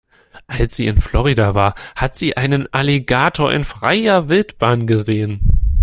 Als sie in Florida war, hat sie einen Alligator in freier Wildbahn gesehen.